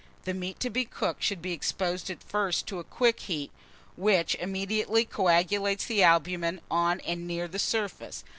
The meat to be cooked should be exposed at first to a quick heat, which immediately coagulates the albumen on and near the surface.